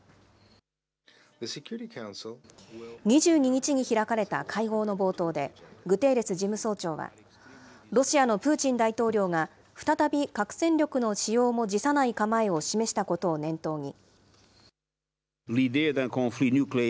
２２日に開かれた会合の冒頭で、グテーレス事務総長は、ロシアのプーチン大統領が再び核戦力の使用も辞さない構えを示したことを念頭に。